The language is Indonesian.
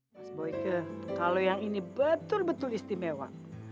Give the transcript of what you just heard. mas boike kalau yang ini betul betul istimewa